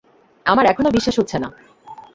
আমার এখনো বিশ্বাস হচ্ছে না।